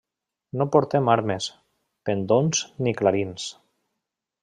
No portem armes, pendons ni clarins.